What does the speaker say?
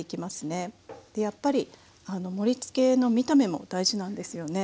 でやっぱり盛りつけの見た目も大事なんですよね。